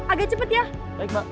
agak cepet ya